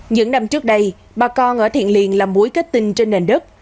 những năm trước đây bà con ở thiền liền làm muối kết tinh trên nền đất